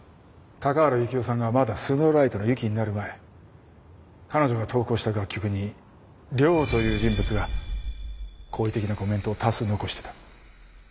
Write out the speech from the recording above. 高原雪世さんがまだＳＮＯＷＬＩＧＨＴのＹＵＫＩになる前彼女が投稿した楽曲にＲＹＯという人物が好意的なコメントを多数残してた。